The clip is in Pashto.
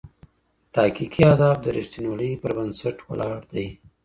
تحقیقي ادب د رښتینولۍ پر بنسټ ولاړ دئ.